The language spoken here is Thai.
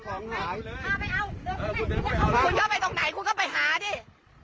คุณก็ไปตรงไหนคุณก็ไปหาดิ